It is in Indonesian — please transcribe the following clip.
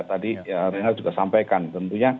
tadi reinhardt juga sampaikan tentunya